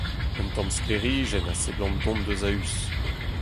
Un tamm sklêrijenn a seblant dont eus a-us.